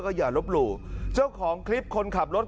อย่าลบหลู่เจ้าของคลิปคนขับรถ